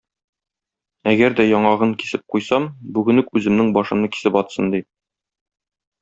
Әгәр дә яңагын кисеп куйсам, бүген үк үземнең башымны кисеп атсын,- ди.